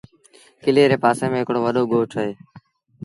ڪلي ري پآسي ميݩ هڪڙو وڏو ڳوٺ اهي۔